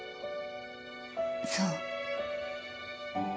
そう。